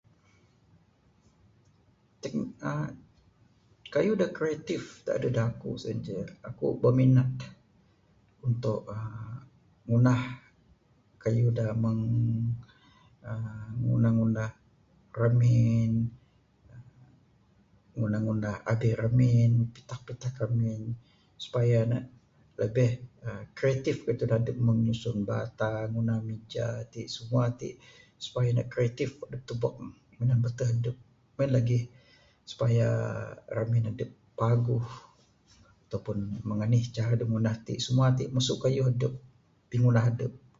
Tek uhh kayuh da kreatif adeh da aku sien ceh aku berminat untuk uhh ngunah kayuh da meng uhh ngunah ngunah ramin ngunah ngunah abih ramin. [unintelligible] Ramin supaya ne lebih kreatif da tunah adep meng nyusun bata ngunah mija simua ti kreatif adep tubek ne. Meng en lagih supaya Ramin adep paguh ato pun meng anih cara adep ngunah ti kayuh simua adep pingunah adep.